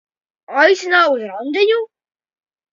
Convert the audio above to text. Aicināja uz randiņu?